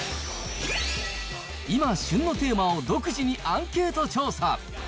今、旬のテーマを独自にアンケート調査。